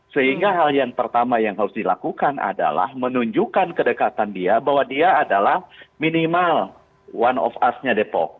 sehingga hal yang pertama yang harus dilakukan adalah menunjukkan kedekatan dia bahwa dia adalah minimal one of us nya depok